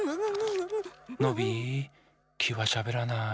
ノビーきはしゃべらない。